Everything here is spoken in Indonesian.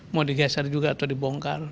mau digeser juga atau dibongkar